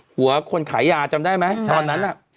หัวคนขายยาจำได้ไหมตอนนั้นอ่ะใช่ครับ